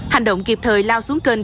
hành động kịp thời lao xuống kênh